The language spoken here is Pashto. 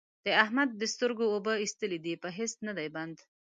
د احمد د سترګو اوبه اېستلې دي؛ په هيڅ نه دی بند،